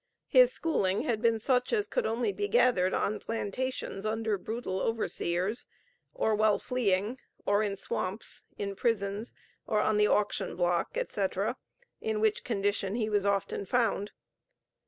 His schooling had been such as could only be gathered on plantations under brutal overseers; or while fleeing, or in swamps, in prisons, or on the auction block, etc.; in which condition he was often found.